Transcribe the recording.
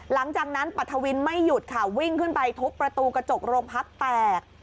หลังจากนั้นปัทวินไม่หยุดค่ะวิ่งขึ้นไปทุบประตูกระจกโรงพักแตก